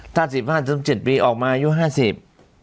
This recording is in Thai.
ถ้าสิบห้าถึงเจ็ดปีออกมาอายุห้าสิบ